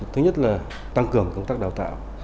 thứ nhất là tăng cường công tác đào tạo